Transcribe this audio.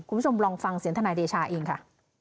คุณผู้ชมลองฟังเสียงทนายเดชาเองค่ะ